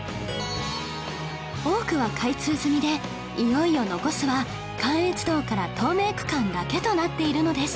多くは開通済みでいよいよ残すは関越道から東名区間だけとなっているのです